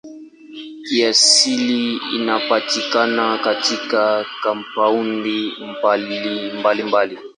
Kiasili inapatikana katika kampaundi mbalimbali.